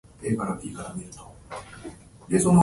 Youtube を見る